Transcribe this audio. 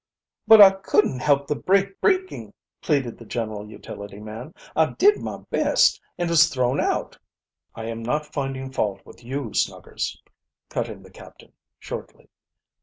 "But I couldn't help the brake breaking," pleaded the general utility man. "I did my best, and was thrown out " "I am not finding fault with you, Snugger," cut in the captain, shortly.